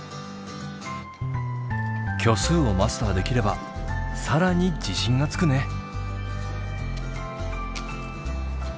虚数をマスターできれば更に自信がつくね。